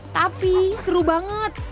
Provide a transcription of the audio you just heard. tapi seru banget